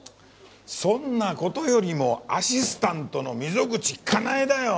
そんな事よりもアシスタントの溝口カナエだよ。